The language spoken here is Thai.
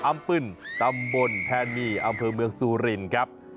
อึ้นตำบลแทนมีอำเภอเมืองซูรินครับ